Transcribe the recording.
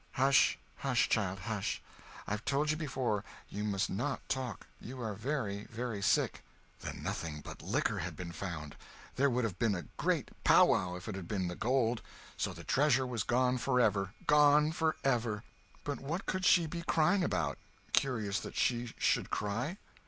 "Hush, hush, child, hush! I've told you before, you must not talk. You are very, very sick!" Then nothing but liquor had been found; there would have been a great powwow if it had been the gold. So the treasure was gone forever—gone forever! But what could she be crying about? Curious that she should cry.